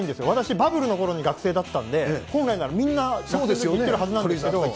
私、バブルのころに学生だったんで、本来ならみんな行ってるはずなんですけど。